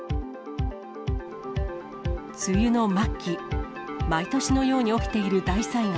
梅雨の末期、毎年のように起きている大災害。